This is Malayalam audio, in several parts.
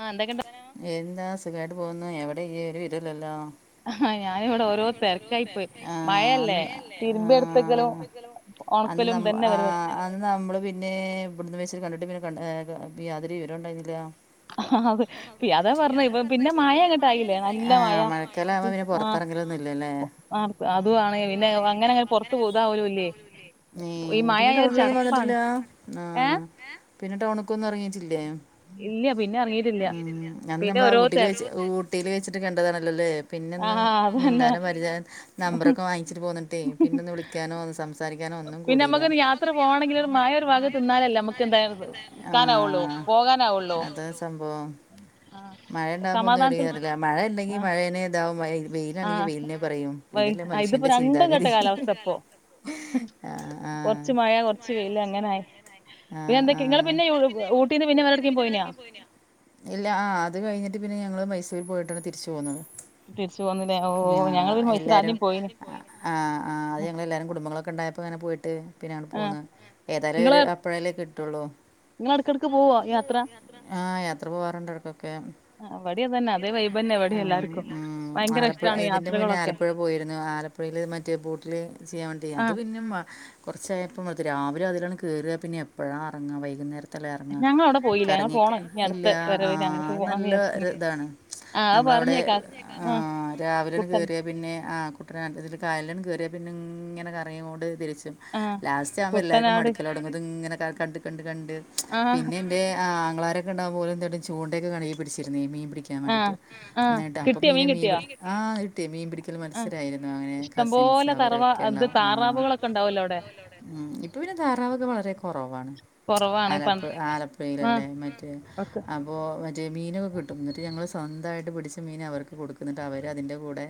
ആഹ് എന്തൊക്കെണ്ട് എന്താ സുഖമായിട്ട് പോകുന്നു എവിടെ ഇയ്യ് ഒരുവെരുല്ലല്ലോ ആഹ് ഞാനിവിടെ ഓരോ തിരക്കായി പോയി ആ അന്ന് മയല്ലേ തിരുമ്പി ആ എടുത്തക്കലും. അന്ന് ഒണക്കലും നമ്മ തന്നെ ആ പരിപാ അന്ന് നമ്മള് പിന്നെ ഇവിടന്ന് വേച്ച കണ്ടിട്ട് പിന്നെ ക യാതൊരു വിവരം ഉണ്ടായിരുന്നില്ല. ആ അത അതാ പറഞ്ഞ പിന്നെ മഴ അങ്ങാട്ടായില്ലേ നല്ല ആ മഴ മഴക്കാലാവുമ്പോ പിന്നെ ആ ആ പുറത്തിറങ്ങലൊന്നും ഇല്ലല്ലേ ആ അതുവാണെ പിന്നെ അങ്ങനെ ങ്ങനെ പൊറത്ത് ഇതാവലുല്ലേ ഈ മഴ പിന്നെ ആയ ഒരു ടൗണിലൊന്നും ചടപ്പാണ് വന്നിട്ടില്ല ആഹ ഏഹ് പിന്നെ ടൗണക്കൊന്നും ഇറങ്ങിട്ടില്ലേ ഇല്ലയ. ഉംഅന്ന് നമ്മള് ഊട്ടിൽ തെര വെച്ച് ഊട്ടിൽ വെച്ചിട്ട് കണ്ടതാണല്ലോല്ലേ പിന്നോന്നും ആഹ് അതന്നെ മിണ്ടാനോ പരിചയം നമ്പറൊക്കെ വാങ്ങിച്ചിട്ട് പോന്നിട്ടേ പിന്നെ ഒന്ന് വിളിക്കാനോസംസാരിക്കാനോ പിന്നെ നമുക്കിന്ന് യാത്ര പോകണെങ്കിൽ ഒരു മഴഒരു വക നിന്നാലല്ലേ നമുക്ക് എന്തായ ഇക്കാനാവുള്ളൂ ആഹ് അതാ സംഭവം. ആഹ് മഴയ ഉണ്ടാവുമ്പോ ഓന്നും ഇവിടം സമാധാനത്തിൽ ഇറങ്ങില്ല മഴ ഇല്ലെങ്കിൽ മഴനെ ഇതാവും ആ വെയിലാണെങ്കിൽ വെയിലിനെ പറയും ഇതല്ലേ ഇതിപ്പോ മനുഷ്യൻ്റെ രണ്ടും കട്ട ചിന്താഗതി കാലാവസ്ഥ ഇപ്പോ ആഹ് കൊറച്ച് മഴ ആഹ് കൊറച്ച് വെയില് അങ്ങനായി പിന്നെ ആഹ് എന്തക്ക, നിങ്ങള് ആഹ് പിന്നെ ഊട്ടീന്ന് പിന്നെ വേറെടക്കും പോയിനോ? ഇല്ല ആ അത് കഴിഞ്ഞിട്ട് പിന്നെ ഞങ്ങള് മൈസൂരിൽ പോയിട്ടാണ് തിരിച്ചു പോന്നത്. പി [inaudible] ആ എല്ലാരും പോയിന് ആ ആ അത് ഞങ്ങ എല്ലാരും കുടുംബങ്ങളൊക്കെ ഉണ്ടായ അപ്പങ്ങനെ പോയിട്ട് പിന്നെയാണ് ആ പോകുന്നത് ഏതായാലും നിങ്ങള് ഒരു, അപ്പഴല്ലേ കിട്ടുള്ളൂ നിങ്ങള് എടക്കെടക്ക് പോവോ യാത്ര ആ യാത്ര പോവാറുണ്ട് ഇടക്കൊക്കെ. ആ ഇവടേയതുതന്നെ അതേ വൈബ് തന്നെ ഇവടി എല്ലാർക്കും. ഉം ഭയങ്കര ആലപ്പുഴ ഇഷ്ടാണ് ഇതിൻ്റെ മുന്നേ യാത്രകളൊക്കെ ആലപ്പുഴ പോയിരുന്നു ആലപ്പുഴയിൽ മറ്റേ ബോട്ടിലെ ചെയ്യാൻ വേണ്ടി ആ അത് പിന്നെ കുറച്ചായപ്പ അത് രാവിലെ അതിലങ്ങ് കേറിയാ പിന്നെ എപ്പഴാ ഇറങ്ങാ വൈകുന്നേര ല്ലേ എറങ്ങ ഞങ്ങളവിടെ പോയില്ല ഞങ്ങൾ പ്പിറങ്ങീട്ടു, പോണം ഇനി ഇല്ല അടുത്ത ആ വരവിന് അങ്ങോട്ട് പോണംന്ന് നല്ല ഒരു വിചാരിച്ചിരിക്കുന്നു ഇതാണ്. ആ അത് നമ്മളവിടെ പറഞ്ഞേക്കാം ആ രാവിലെയങ്ട് കുട്ടൻ കേറിയ പിന്നെ ആ കുട്ടനാട് അതിൽ കായലു ടെക്കിങ്ങനെ കറങ്ങിക്കോണ്ട് തിരിച്ചും ആ ലാസ്റ്റ് ആമ്പോ എല്ലാവർക്കും കുട്ടനാട് മടുക്കല് തൊടങ്ങും ഇതിങ്ങനെ കണ്ട കണ്ട് കണ്ട് ആ പിന്നെണ്ട് ആങ്ങളാരൊക് രണ്ടാമതോല് എന്തായിട ചൂണ്ടയടെ കണയിൽ പിടിച്ചിരുന്നു ഈ മീൻ പിടിക്കാൻ ആ വേണ്ടിട്ട് ആ എന്നിട്ട കിട്ടിയോ മീനെ മീൻ കിട്ടിയോ പിടി ആ ഇട്ടേ മീൻ പിടി ഒരിക്കൽ ആ മത്സരായിരുന്നു അങ്ങനെ കസിൻസ് ഇഷ്ടംപോലെ തറവാ ഇത് അവരൊക്കെണ്ടാവും താറാവുകളൊക്കെ ഉണ്ടാവല്ലോ അവിടെ ഉം ഇപ്പൊ പിന്നെ താറാവക്കെ വളരെ കൊറവാണ്. കൊറവാണ് ആലപ്പ പണ്ട് ആ ആലപ്പുഴയിലല്ലേ മറ്റേ ഒക്കെ അപ്പൊ മറ്റേ മീനൊക്കെ കിട്ടും എന്നിട്ട് ഞങ്ങള് സ്വന്തായിട്ട് പിടിച്ച മീൻ അവർക്ക് കൊടുക്കുന്നിട്ട് അവര് അതിന്റെ കൂടെ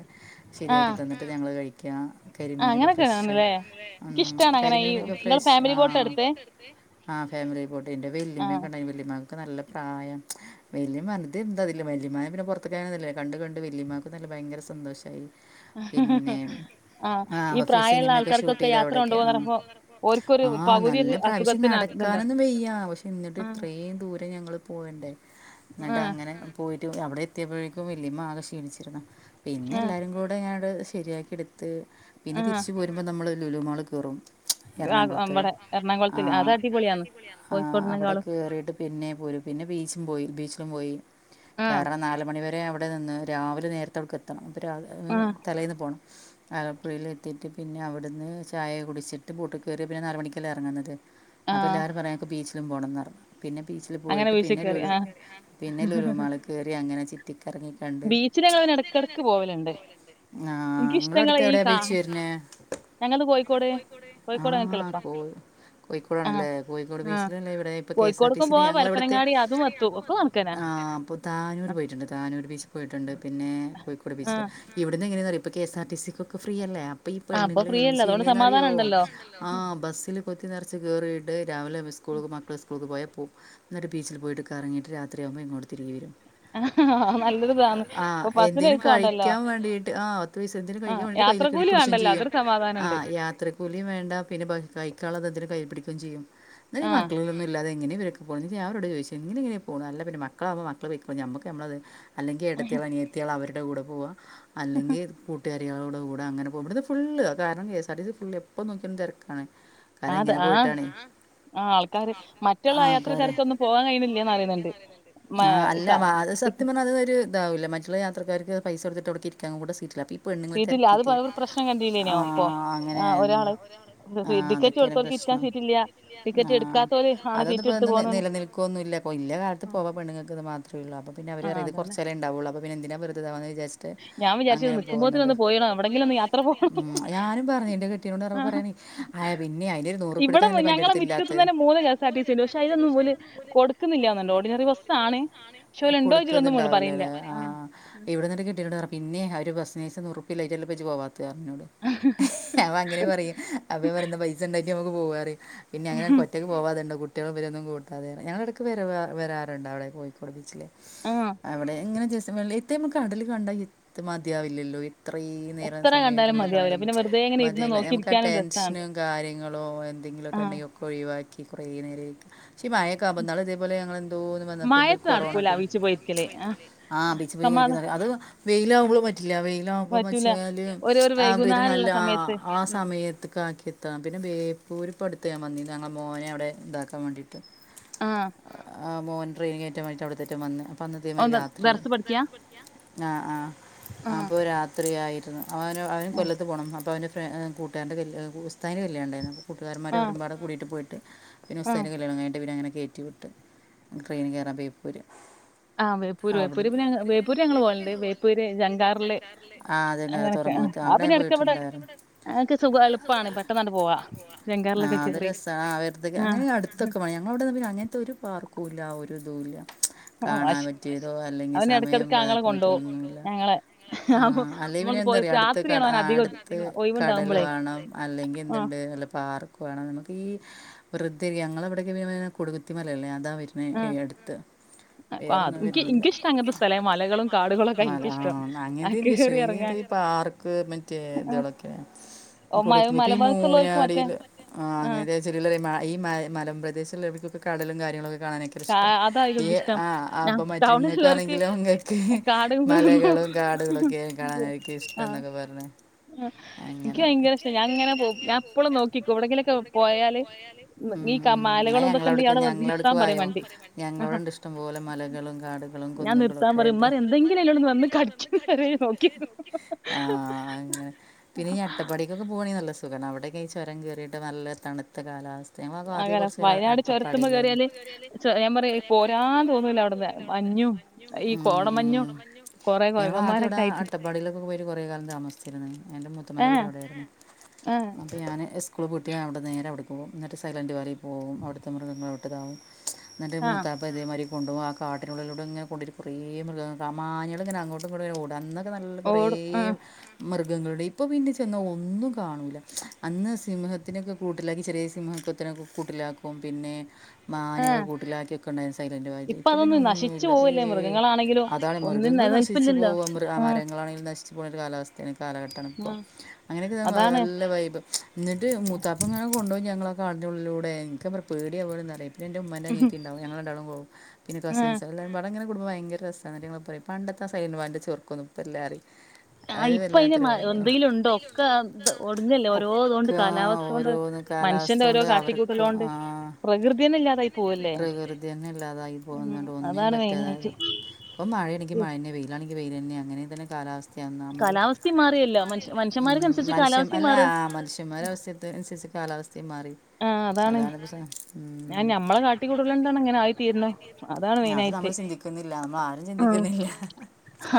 ശരിയാക്കി ആഹ് തന്നിട്ട് ഞങ്ങള് കഴിക്കുക, ആഹ് കരിമീനൊക്കെ അങ്ങനൊക്കെ ഫ്രഷ് ആണല്ലേ ഉം എനിക്കിഷ്ടാണ് അങ്ങനെ ഈ കരിമീനൊക്കെ നിങ്ങൾ ഫ്രഷ് ആ ഫാമിലി ബോട്ട് എടുത്തേ ആ ഫാമിലിയായി പോയിട്ട് എന്റെ വെല്ല്യമ്മ ഒക്കെ ആഹ് ഉണ്ടായിരുന്നു, [unintelligible] നല്ല പ്രായം വെല്ല്യമ്മപറഞ്ഞു, ഇതെന്താ വല്യമ്മേ ഞാൻ പിന്നെ പുറത്തേക്കിറങ്ങുന്നില്ലല്ലോ കണ്ട കണ് വല്ലിമ്മാക്കും തന്നെ ഭയങ്കര സന്തോഷായി. പിന്നെ ആഹ് ആ ഈ പ്രായമുള്ള ഓഫീസിനിമൊക്കെ ഷൂട്ട് ആൾക്കാർക്കൊക്കെ ചെയ്ത യാത്ര അവിടൊക്കെ ആ കൊണ്ടുപോകാന്ന് പറയുമ്പോ ഓർക്കൊരു ആഹ് പകുതി നല്ല ഒരു പ്രാവശ്യം അസുഖത്തിന് ആ- ഇതുണ്ടോ നടക്കാനൊന്നും വെയ്യ പക്ഷെ എന്നിട്ട് ആഹ് ഇത്രയും ദൂരം ഞങ്ങള് പോകണ്ടേ. ആഹ് എന്നിട്ടങ്ങനെ പോയി അവിടെ എത്തിയപ്പോഴേക്കും വെല്ല്യമ്മ ആകെ ക്ഷീണിച്ചിരുന്നു പിന്നെ ആഹ് എല്ലാവരും കൂടെ അങ്ട് ശരിയാക്കി. എടു ഉം പിന്നെ ആഹ് തിരിച്ച് പോരുമ്പ നമ്മള് ലുലുമാളി കേറും. എറണാകുളത്ത് [unintelligible] അത് ആഹ് അടിപൊളിയാന്ന് ആ അവിടെ കോഴിക്കോടിനെക്കാളും കേറീട്ട് പിന്നെ പോരും, പിന്നെ ബീച്ചും പോയി ബീച്ച്. പോയി ആഹ് കാരണം നാല്മണി വരെ അവിടെ നിന്ന് രാവിലെ നേരത്തെ അവിടെക്ക് എത്തണം. രാ ഉം ആഹ് തലേന്ന് പോണം. ആലപ്പുഴയിൽ എത്തിയിട്ട് പിന്നെ അവിടുന്ന് ചായ കുടിച്ചിട്ട് ബോട്ടി ക്കേറിയാ പിന്നെ നാലുമണിക്കല്ലേ ഇറങ്ങുന്നത് എറങ്ങുന്നത്. അപ്പൊ ആഹ് എല്ലാരും പറയാങ്ങക്ക് ബീച്ചിലും പോണംന്ന് പറഞ്ഞു. പിന്നെ ബീച്ചില് അങ്ങനെ പോയിട്ട് ബീച്ചിൽ കയറി പിന്നെലുലു ആഹ് പിന്നെലുലുമാളി കേറി അങ്ങനെ ചിറ്റിക്കറങ്ങി കണ്ട് ച്ചിക്കങ്ങനെ ഞങ്ങ എടക്കെടക്ക് പോവലുണ്ട് ആ എനിക്ക ഇഷ്ടങ്ങളെ നിങ്ങളടുത്ത് ഈ എവിടെയാണ് കാ ബീച്ച് വരുന്നത് ഞങ്ങളത് കോഴിക്കോട്, ആ കോഴിക്കോട്ങ്ങക്കെളുപ്പാ. കോ ആഹ് കോഴിക്കോടാണല്ലേ കോഴിക്കോട് ഉം ബീച്ചിലല്ലേ ഇവിടെ ഇപ്പോൾ കെ എസ് ആർ ടി കോഴിക്കോടുക്കും സിയിൽ പോവാ പരപ്പനങ്ങാടി അതും എത്തു ഒക്കെ നക്കനാ ആഹ് അപ്പോ താനൂർ പോയിട്ടുണ്ട് താനൂർ ബീച്ച് പോയിട്ടുണ്ട്. പിന്നെ കോഴിക്കോട് ആഹ് ബീച്ചിൽ ഇവിടുന്നെങ്ങനെന്നറിയുവോ ഇപ്പോ കെ എസ് ആർ ടി സിക്കൊക്കെ ഫ്രീയല്ലേ പ്പൊ ഈ ആഹ് ഇപ്പൊ പെണ്ണുങ്ങൾ എന്ത് ഫ്രീയല്ലേ അതോണ്ട് ചെയ്യുന്നന്ന് അറിയോ സമാധാനം ഉണ്ടല്ലോ ആഹ് ബസ്സിൽ കൊ കുത്തി നിറച്ച് കയറിയിട്ട് രാവിലെ സ്കൂൾക്ക് മക്കള സ്കൂൾക്ക് പോയ പോവും എന്നിട്ട ബീച്ചിൽ പോയിട്ട് കറങ്ങിട്ട് രാത്രികുമ്പോ ഇങ്ങോട്ട തിരിക വരും. ആഹ് ആ നല്ലൊരിതാണ്. ആഹ് എന്തേലും കഴിക്കാൻ വേണ്ടീട്ട് ആ പൈസ എന്തേലും ആഹ് കഴിക്കാൻ വേണ്ടീട്ട് കയ്യിലൊ ഇവര് യാത്രക്കൂലി പിടിച്ചും വേണ്ടല്ലോ ചെയ്യും അതൊരു ആ സമാധാനണ്ട് യാത്രക്കൂലിം വേണ്ട പിന്നെ പ്പ കഴിക്കാൻള്ളതെന്തേലും കൈയില് പിടിക്കും. ചെയ്യും ന്നാലുവീ ആഹ് മക്കളൊന്നും ഇല്ലാതെ എങ്ങനെവരു പോന്നേന്ന് ഞാരോട് ചോയ്ച്ചു ഇങ്ങനെങ്ങനെയാ പോകുന്നെ. അല്ല പിന്നെ മക്കളാകുമ്പോ മക്കള് പൊയ്ക്കോളും ഞമ്മക്ക് ഞമ്മളത് അല്ലെൻ ത്തി നിയത്തീ ള് അവര്ടെ കൂടെ പോവാ അല്ലെങ്കി കൂട്ടുകാര് കരികളോട് കൂടെ അങ്ങെനെ പോകാ ഇബടൊ ഫുള്ള് അത് കാരണം എ എസ് ആർടിസി ഫുള്ള് എപ്പോ നോക്കിയാലും തെരക്കാണ്. കാരണം അത് ആഹ് ങ്ങനെപോയിട്ടാണെ ആഹ് ആൾക്കാര് മറ്റുള്ള ആൾകര്. യാത്രക്കാർക്കൊന്നും പോകാൻ കഴിയണില്ലേന്ന് പറയുന്നുണ്ട് മ ആ അല്ല സ വാ സത്യ പറഞ്ഞാതൊരു താവില്ലെ മറ്റുള്ള യാത്രക്കാർക്ക് പൈസൊടുത്തിട്ട് അവിടൊക്കെരിക്കാനും കൂടെ സീറ്റിലാപ്പില. പെണ്ണുങ്ങള് സീറ്റില്ല അത് തെരക്കീറ്റ് പ- ഒരു പ്രശ്നം കണ്ടീല്ലേനോ ഇപ്പൊ ആഹ് ആഹ് അങ്ങനെയായിരുന്നു. ഒരാള് ആഹ് ടിക്കറ്റ് അതൊക്കേണ് കൊടുത്തോർക്ക് ഇരിക്കാൻ പ്രശ്നം സീറ്റില്ല ആ ടിക്കറ്റ് എടുക്കാത്തോല് ആണ് അതൊന്ന് സീറ്റ് എടുത്ത് പ്പെന്നും പോന്നന്ന് നിലനിൽക്കൊന്നുല്ല. ല്ല കാലത്ത് പോവാ പെണുൾക്ക്ത് മാത്രേള്ളൂ. അപ്പൊ പിന്നെ ആഹ് അവര്റിം ത് അതന്നെ കുറച്ചേരേ ണ്ടാവുള്ളൂ അപ്പോ പിന്നെന്തിനാ വെറുതെ താവ് ജെസ്റ്റ് ഞാൻ വിചാരിച്ചു അങ്ങനെ പോകുന്നുണ്ട്. നിക്കുമ്പോത്തിനൊന്ന് പോയിണം എവിടെങ്കിലും ഒന്ന് യാത്ര പോണം ഞാനും പറഞ്ഞു എന്റെ കെട്ടീയോനോട് പറഞ്ഞപ്പ പറ ആ പിന്നെ അയിനൊരു നൂറുപ്പൃ ഇവിടെ ടുക്കാനല്ലെ മു- ഞങ്ങളെ പന്റെടുത്ത്ല്ലാത്ത്. മുറ്റത്തുനിന്ന് തന്നെ കൊടുക്ക്ന്നില്ലാന്ന്ണ്ടോ ഓഡിനറി ബസ്സാണ് ക്ഷേ ല്ണ്ടോ ചിട്ടൊന്നും മി ല്ലലെ ആ, ഇവിടന്ന് കിട്ടിട്ടുണ്ട് പറഞ്ഞ പിന്നെ ഒരു ബസ്സിനേസ നൂറുപ്പൃ ല്ലായ്റ്റെല്ലേ ജ് പോവാ റഞ്ഞോട് അവഅങ്ങനെ പറയാ അവ ഞി പറയുന്ന പൈസ ഉണ്ടായിറ്റ് നമുക്ക് പോവാറി പിന്നെങ്ങനെ അനക്കൊറ്റയ്ക്ക് പോവാതെണ്ട കു കുട്ടികൾ ഇവരൊന്നും കൂട്ടാതെയാണ് ഞങ്ങളടക്ക് വര വരാറുണ്ട് അവിടെ കോഴിക്കോട് ബീച്ചില്. ആ അവിടെങ്ങനെ ജെസീവെള്ളിം ത്തെ മ കടല് കണ്ടാ എത്ത് മതിയാവില്ലയല്ലോ. അത്രേം നേരം എത്ര സമയക്കെ കണ്ടാലും നമ്മൾ കണ്ട മതിയാവില്ല പിന്നെ വെറുതെ ഇങ്ങനെ ഇരുന്ന് മതില്ല നമുക്ക് ആ നോക്കിയിരിക്കാനും രസമാണ് ടെൻഷ്നും കാര്യങ്ങളും യെ ആ എന്തെങ്കിലൊക്കെ ണ്ടെങ്കിക്കൊ ഴിവാക്കി കൊറേ നേരെയ് ച്ചി മയെക്കാവുമ്പൊങ്ങള് തേഴപോലെ ഞങ്ങ ളെന്തോ വന്നപ്പോ എന്തൊരു കൊറോണ ടൈമ് ആഹ് ആഹ് ബീച്ചീ പോയി കഴിക്ക അത് വെയിലാവുമ്പോള് പറ്റില്ല പറ്റൂല വെയിലാവുമ്പോന്നെച്ചാല് ഒരു ഒരു നല്ല വൈകുന്നേരമുള്ള ലാ സമയത്ത് ആ സമയത്ത്ക്ക ആക്കിത്തം പിന്നെ ബേപ്പൂരി പ്പടുത്ത് ഞാൻ വന്നീന്ന ഞങ്ങളെ മോനവിടെ താക്കാൻ വേണ്ടിയിട്ട്. ആ ആ മോൻ ട്രെയിനി കേറ്റാൻ വേണ്ടീയിട്ട് അവിടുത്തെറ്റംവന്ന് പ്പ ന്നിതേ മാതിരി ഒന്ന് രാത്രിര്ന്നു. ദർസ് പഠിക്കുക ആ ആ ആ അപ്പൊ രാത്രിയായി അവന് അവന് ആ, കൊല്ലത്ത് പോണം അപ്പോ അവൻ്റെ ഫ്ര ഏ കൂട്ടുകാരൻടെ കയ്ല് ബൂസ് സ്താതിന്റെ കല്യാണണ്ടാര്ന്നു. കട്ടുകാരമാർ ആ അവരും പാടെ കൂടിയിട്ട് പോയിട്ട് പിന്നു ആ സ്താതിന്റെ കല്യാണം കഴിഞ്ഞിട്ട് പിന്നങ്ങനെ കേറ്റി വിട്ടു. ട്രെയിന് കേറാൻ ബേപ്പൂര് ആ വേപ്പൂര് അവ്ട് വേപ്പൂര് പിന്നെ ഞങ്ങ- വേപ്പൂര് ഞങ്ങൾ പോകലുണ്ട് വേപ്പൂര് ജങ്കാറില് ആ അതെന്നെ അത് തൊറ അങ്ങനൊക്കെ ആ ത്ത് ആ, അവിടെം പിന്നെ ഇടയ്ക്ക് ഇവിടെ പോയിട്ടുണ്ടായിരുന്നു. അതൊക്കെ സുഖ എളുപ്പാണ് പെട്ടെന്നാണ്ട് പോവാ ആ ജങ്കാറിലൊക്കെ അത് കേറി രസാ ആ വെട്ത്ത്ക്ക് അങ്ങനെ ആഹ് അടുത്തൊക്കെ പണിയ ഞമ്മടെവെടൊന്നും പിന്നെ അങ്ങനത്തൊരു പാർക്കുല്ല ഒര് തുല്ല. കാണാൻ വാശി പറ്റിയതോ അല്ലെങ്കി അവന് എടക്കെടക്ക് ആങ്ങള സമയംതാക്കാൻ കൊണ്ടോവും പറ്റിയതൊന്നുല്ല ഞങ്ങളെ ആ അപ്പൊ അല്ലെയി പിന്നെ നമ്മള് പി പോയി എന്താറിയോ അടുത്ത് രാത്രിയാണ് കടാ അവന് അധികം അടുത്ത് കടല് ഒഴിവുണ്ടാവുമ്പളേ വാണം അല്ലെങ്കിൽ ആഹ് എന്ത്ണ്ട് നല്ല പാർക്ക് വാണം ഈ വെറുതെ ഞങ്ങളിവിടൊക്കെ [unintelligible] കൊടുകുത്തിമലയല്ലേ അതാ വെരിന് ആഹ് എടുത്ത്. വേറെ ആഹ് അത് ഒന്നും ഇൻക്ക് വര്ന്നില്ല ഇൻക്കിഷ്ടം അങ്ങനത്തെ സ്ഥലേ മലകളും കാടുകളൊക്കെ മല ഇൻക്കിഷ്ടം ആഹ് അങ്ങിനത്തെ കേറി ഇഷ്ട്ട എറങ്ങാൻ പാ ഇക്ക് മറ്റേ ആഹ് തോളൊക്കെ മ കൊടുത്തു ഇപ്പൊ ഈ മലഭാഗത്തുള്ളോർക്ക് മറ്റേ മൂനാടിൽ ആ ആഹ് അങ്ങരെ ചെറില്ലൊരൂ ഈ മാ ഈ മാ മാ പല പ്രദേശിൽ ഇക്കൊക്കെ കടലും കാര്യങ്ങളൊക്കെ കാണാനൊക്കെ കാ ഇഷ്ടം ഈ അതായിരിക്കും ഇഷ്ടം ആ അപ്പൊ മറ്റു ടൗണിലുള്ളോർക്ക് ഇങ്ങക്കാണെങ്കിലും ങ്ങക്ക് കാട് മലകളും കാടുകളൊക്കെ കാണാനായിരിക്കും. ഇഷ്ടന്നൊക്കെ പറഞ്ഞ് ഉം എനിക്ക് അങ്ങനെ ഭയങ്കര ഇഷ്ടാ ഞാനിങ്ങനെ പോ ഞാപ്പളും നോക്കിക്കും എവിടെങ്കിലൊക്കെ പോയാല് ഉം ഈ ക മാലകളൊക്കെകണ്ട് യാള് വന്ന് നിർത്താൻ പറി വ ഞങ്ങളോടെണ്ട് ഷ് പോലെ മലകളും കാടുകളും ഞാൻ നിർത്താൻ പറയും കുന്നുകളൊക്കായിട്ട് ഉമ്മാർ എന്തെങ്കിലും അതിലോട് വന്ന് കടിക്കും വരെ നോക്കി ആ അങ്ങനെ പിന്നെ യീട്ടപ്പാടിക്കൊക്കെ പോ പണി നല്ല സുഖാണ് അവിടെ കയീ ചുരം കേറിയിട്ട് നല്ല തണുത്ത കാലാവസ്ഥ ഞങ്ങളൊക്കെ ആദ്യം അങ്ങന കുറച്ച് കാലം വയനാട് ചുരത്തുമ്പോ അട്ടപ്പാടിയിലായിരുന്നു കേറിയാല് ഞാൻ പറി ഇ പോരാ ആ തോന്നൂല അവിടന്ന് മഞ്ഞും ഈ കോടമഞ്ഞും. കൊറേ ഞങ്ങള ആദ്യം ഇവിടെ കുരങ്ങന്മാരൊക്കെ ആയിട്ട് അട്ടപ്പാടിയിലൊക്കെ പോയിട്ട് കുറെ കാലം താമസിച്ചിരുന്നു എന്റെ ഏ മുത്തമാടെ വീടെ അവിടെയായിരുന്നു ഏ അപ്പൊ ഞാൻ സ്കൂള് പൂട്ടി അവിടെ നേരെവിട പോവും എന്നി സൈലൻറ് വാലിൽ പോകവും അവിടുത്തെ മൃഗങ്ങളൾവിട്ടതാവും എന്നിട്ട് ആ മൂത്താപ്പം ഇതേമാതിരി കൊണ്ട പോക ആ കാട്ടിനുള്ളിലൂടെ ഇങ്ങെ കൊണ്ട കുറെ മൃഗങ്ങൾ ആ മാനേൾ ഇങ്ങനെ അങ്ങോട്ടും ഇങ്ങോട്ടും ഓട അന്ന് നല്ല കൊറ ഓടും ആ മൃഗങ്ങളുടെ ഇപ്പൊ പിന്നെ ചെന്ന ഒന്നും കാണൂല്ല അന്ന് സിംഹത്തിനൊക്കെ കൂട്ടിലാക്കി ചെറിയ സിംഹത്വത്തിനൊക്കെ കൂട്ടിലാക്കും പിന്നെ ആ മാനുകൾ കൂട്ടിലാക്കിക്കെ ഉണ്ടായിരുന്നു സൈലന്റ് വാലി ഇപ്പൊ ഇപ്പ പിന്നെ അതൊന്നും നശിച്ചു ഒന്നുല്ല ഏ പോവില്ലേ മൃഗങ്ങളാണെങ്കിലും അതാണ് ഒന്നും മൃഗങ്ങൾ നശിച്ചു നിലനിൽപ്പില്ലല്ലോ പോക ഉം, മരങ്ങളണെങ്ക നഷ്ട പോ കാലാവസ്ഥ അ കാലഘട്ട ഇപ്പം ഉം, അങ്ങനെയൊക്കെ അതാണ് നല്ല വൈബ് എന്നിട്ട് മൂത്താപ്പ ഇങ്ങനെ കൊണ്ടുപോ ഞങ്ങളെ കാടുന്നിലൂടെ എന പറ പേടിയ പോലെന്നറിയ പിന്നെ എന്റെ ഉമ്മമാന്റെ അനിയത്തി ഉണ്ടാവും ഞങ്ങള രണ്ടാ പോകും പിന്നെ ഉം കസിൻസ് എല്ലാം ഇവി ഇങ്ങനെ കുടും ഭയങ്കര രസാണ് [unintelligible] പണ്ടത്തെ സായിൻ വാന്റെ ചൊർക്കൊന്നും ഇപ്പൊ ഇല്ലാന്ന് ആഹ് അത് ഇപ്പൊ അയിന് വല്ലാത്ര മ വയ എന്തെങ്കിലും ഉണ്ടോ ഒക്കെ ഇത് ഒടിഞ്ഞല്ലേ ഓരോ ഇതുകൊണ്ട് ഒക്ക കാലാവസ്ഥ കൊണ്ട് ഓരോന്ന് കാലാവസ്ഥ മനുഷ്യന്റെ ഓരോ കൊണ്ട് അവർക്ക് കാട്ടിക്കൂട്ടലോണ്ട് പ്രകൃതിയന്നെ ഇല്ലാതായി പോവല്ലേ പ്രകൃതി തന്നെ ഇല്ലാതായി ഉം. പോുന്നുണ്ട് ഒന്നിനും അതാണ് പറ്റ മെയിനായിട്ട് ഇപ്പ മഴയാണങ്കക്ക് മഴ തന്നെ വെയിലാണെങ്ക വെയില തന്നെ അങ്ങനെ തന്നെ കാലാവസ്ഥ ഒന്നാമത് കാലാവസ്ഥയും മാറിയല്ലോ മനുഷ്യ മനുഷ്യൻ മനുഷ്യന്മാർക്കനുസരിച്ച് മനുഷ്യ കാലാവസ്ഥയും അല്ല മാറാ മനുഷ്യന്മാര അവസ്ഥനുസരിച്ച് കാലാവസ്ഥ ആ അതാണ് ഞാൻ ഉം. ഞമ്മളെ കാട്ടിക്കൂടുലണ്ടാണ് അങ്ങനെ ആയി തീരന്നോ അതാണ് അത് നമ്മൾ മെയിനായിട്ട് ചിന്തിക്കുന്നില്ല നമ്മൾ ആരും ഉ ചിന്തിക്കുന്നില്ല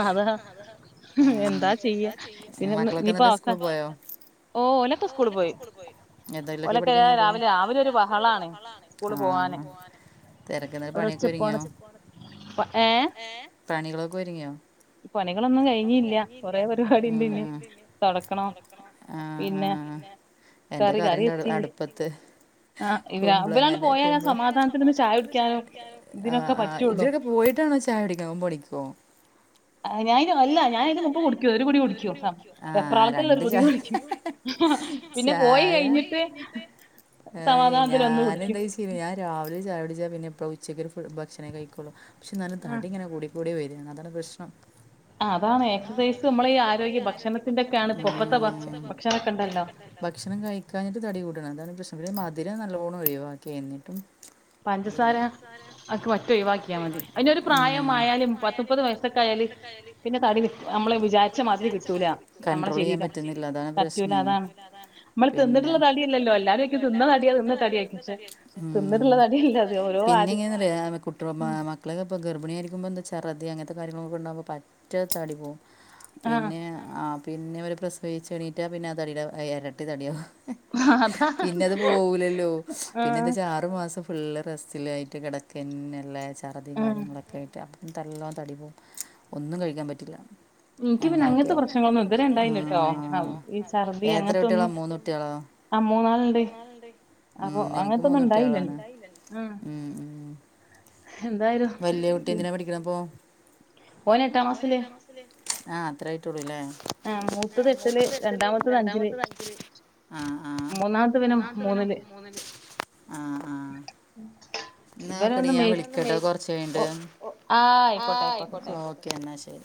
അതാ ആ. എന്താ ചെയ്യ പിന്ന മക്കളൊക്കെ ഇനിപ്പോ എന്നിട്ട് അവസ സ്കൂളിൽ പോയോ ഓലത്ത സ്കൂള് പോയി യാത്രലൊക്കെ ഓലൊക്കെ പഠിക്ന്നെ അപ്പൊ രാവിലെ രാവിലെ ഒരു ബഹളാണ് സ്കൂള് തിരക്കുന്ന പണിയൊ പോണ ഏ പ്രാണികളൊക്കെ വരിങ്ങിയോ പണികളൊന്നും കഴിഞ്ഞീല്ല കൊറേ പരിപാടിണ്ട് ഇനിം തൊടക്കണം ആഹ് പിന്നെ അ ആഹ് എന്റെ കറിണ്ട് അവിടെ അടുപ്പത്ത് ആ ഇവ ഇവരാണ്ട് കുമ്പളങ്ങന്റെ പോയാ ഞാൻ സമാധാനത്തില്ന്ന് ചായ കുടിക്കാനും ആ ഇതിനൊക്കെ ആ പറ്റുള്ളൂ ഇജ്ജ്ട് പോയിട്ടാണോ ചായ കുടിക്കാ ഒമ്പണിക്കോ ആ ഞാനായിന് അല്ല ഞാന് അയിന് മുമ്പ് കുടിക്കും ഒരു കുടി കുടിക്കും ആഹ് വെപ്രാളത്തിലുള്ള ഒരു രണ്ട് കുടി ചായ കുടിക്കും അഹാ പിന്നെ പോയി ചായ കഴിഞ്ഞിട്ട് ഏയ് സമാധാനത്തിൽ ഒന്ന് ഞാന് കുടിക്കും എന്തോയ്ച്ചയ്ഞ്ഞാ ഞാൻ രാവിലെ ചായകുടിച്ചാ പിന്നെ എപ്പളാ ഉച്ച ച്ചക്കൊരു ഫു ഭക്ഷണേ കഴിക്കൊള്ളൂ പക്ഷേ നല്ല ആ തടി ഇങ്ങനെ കൂടി കൂടി വരാണ് അതാണ് പ്രശ്നം ആ അതാണ് എക്സസൈസ് നമ്മളെ എക്സൈസ് നമ്മള ഈ ആരോഗ്യ ഭക്ഷണത്തിന്റെ ഒക്കെയാണ് ഭക്ഷണത്തിന്റെക്കെയാണ് ഭക്ഷ ഇപ്പത്തെ ഭക്ഷണൊക്കെ ഉണ്ടല്ലോ ഭക്ഷണൊക്കെണ്ടാ ഭക്ഷണം കഴിക്കാഞ്ഞി ട്ട് തടി കൂടാണ് അതാണ് പ്രശ്നം മധുരം നല്ലോണം ഒഴിവാക്കി എന്നിട്ടും എന്താ പഞ്ചസാര അക്ക് പറ്റെ ഒഴിവാക്കിയാൽ മതി ഒഴിവാക്കിയാലും അതിനൊരു ഉം പിന്നെ പ്രായം പ്രായമായാലും പത്ത് മായാലും മുപ്പത് പത്തുപ്പത് വയസ്സൊക്കെ ആയാല് പിന്നെ തടി നമ്മള് വിജാരിച്ച മാതിരി കിട്ടൂല കൺണ്ട്രോൾ ചെയ്യാൻ പറ്റുന്നില്ല അതാണ് പ്രശ്നേയ് പറ്റൂല അതാണ് നമ്മള് പിന്നെ തിന്നിട്ടുള്ള [unintelligible] തിന്ന്ട്ട്ള്ള തടിയല്ലല്ലോ തടി അല്ലല്ലോ വിചാരിക്കും എല്ലാരും ചോയ്ക്കും തിന്ന തടിയാ വിചാരിക്കും തിന്ന പക്ഷെ തടിയാ ചോയ്ക്കും ഉം തിന്നിട്ടുള്ള തടിയല്ല തിന്ന്ട്ട്ള്ള അത് തടി അല്ല അത്‌ ഓരോ ഉം പിന്നെ ആര് എങ്ങനെയാന്നറിയോ ഉം [unintelligible] മക്കളൊക്കേ ഇപ്പൊ ഗർഭിണിയായിരിക്കുമ്പോ എന്താ ചറതി അങ്ങൻതെ കാര്യങ്ങളൊക്കെണ്ടകുമ്പോ പറ്റെ തടി പോകും ആഹ് പിന്നെ ആ പിന്നെ അവരെ പ്രസവിച്ച് എണീറ്റാ പിന്നെ ആ തടിടെ എരട്ടി തടിയാവും അതാ പിന്നെ അത് പോകൂലല്ലോ പിന്നെ ആഹ് എന്താച്ചാ ആറു മാസം ഫു ഫുള്ള് റസ്റ്റിലായിട്ട് കിടക്കന്നല്ലേ ചറതിം ആഹ് കാര്യങ്ങളൊക്കായിട്ട് അപ്പൊ ന്നിട്ടല്ലോം തടി പോവും ഒന്നും കഴിക്കാൻ പറ്റില്ല ഇൻക്ക് പിന്നെ അങ്ങനെയൊക്കെ അങ്ങൻത്തെ ആവും പ്രശ്നങ്ങളൊന്നും ഇതുവരെ ഉണ്ടായില്ലട്ടോ ആ ഈ ഛർദി എത്ര കുട്ടികളാ അങ്ങനത്തൊന്നും മൂന്ന് കുട്ടികളോ ആ മൂന്നാൾണ്ട് അപ്പൊ ഉം, എനിക്ക് മൂന്ന് അങ്ങനത്തൊന്നും ഇണ്ടായില്ല കുട്ടികളാണ് ഉം വല്ല്യ കുട്ടി എന്തിനാ പഠിക്ക്ണപ്പൊ ഓന് എട്ടാം ഓനെട്ടാം ക്ലാസ്സില് ആ അത്രായിട്ടൊള്ളൂല്ലേ അ മൂത്തത് എട്ടില് രണ്ടാമത്തത് അഞ്ചില് ആ ആ മൂന്നാമത്തെ പിന്നേ മൂന്നില് [unintelligible] ന്നാവെക്കടി ഇവരൊന്ന് ഞാൻ മെയ് വിളിക്കട്ടൊ കൊർച്ച് ഓ ച്ചെയ്ഞ്ഞിട്ട് ഒ ആ ആയിക്കോട്ടെ ഓക്കേ എന്നാ ശരി.